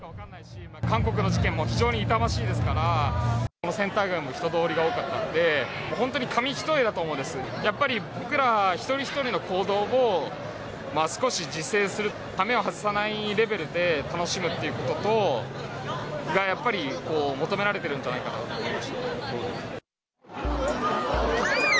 韓国の事件も非常に痛ましいですから、このセンター街も人通りが多かったんで、本当に紙一重だと思うんです、やっぱり僕ら一人一人の行動を少し自制する、羽目を外さないレベルで楽しむっていうことがやっぱり求められているんじゃないかと思いました。